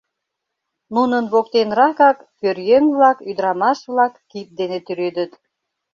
Нунын воктенракак пӧръеҥ-влак, ӱдырамаш-влак кид дене тӱредыт.